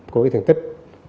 của ý thiện tích